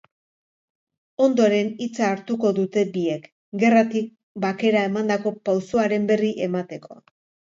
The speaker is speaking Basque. Ondoren, hitza hartuko dute biek, gerratik bakera emandako pausoaren berri emateko.